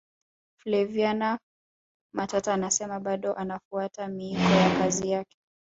flaviana matata anasema bado anafuata miiko ya kazi yake